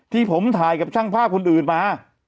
ที่ผมถ่ายกับช่างภาพคนอื่นมา